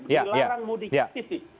dilarang mudik fisik